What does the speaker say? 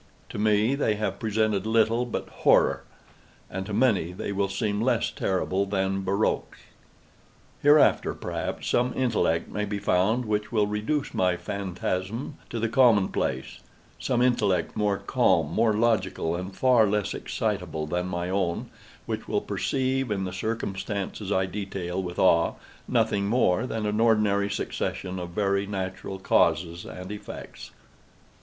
To me, they have presented little but horror—to many they will seem less terrible than barroques. Hereafter, perhaps, some intellect may be found which will reduce my phantasm to the common place—some intellect more calm, more logical, and far less excitable than my own, which will perceive, in the circumstances I detail with awe, nothing more than an ordinary succession of very natural causes and effects.